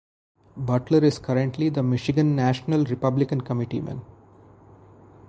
Butler is currently the Michigan National Republican committeeman.